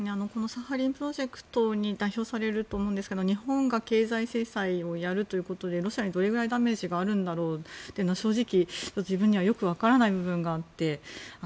サハリンプロジェクトに代表されると思いますが日本が経済制裁をやるということでロシアにどれくらいダメージがあるんだろうと正直自分にはよく分からない部分があって。